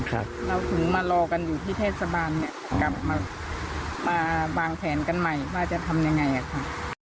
เราถึงมารอกันอยู่ที่เทศบาลเนี่ยกลับมามาวางแผนกันใหม่ว่าจะทำยังไงอ่ะค่ะ